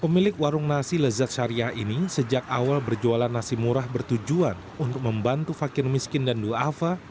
pemilik warung nasi lezat syariah ini sejak awal berjualan nasi murah bertujuan untuk membantu fakir miskin dan ⁇ doafa ⁇